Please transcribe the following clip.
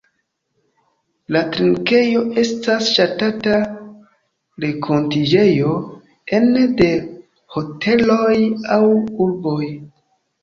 Trinkejo estas ŝatata renkontiĝejo ene de hoteloj aŭ urboj.